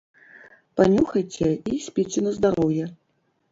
Панюхайце і спіце на здароўе.